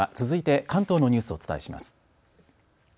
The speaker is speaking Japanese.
続いて関東のニュースをお伝えします。